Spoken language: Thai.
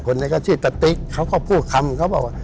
คนนี้ก็ชื่อตะติ๊กเขาก็พูดคำเขาบอกว่า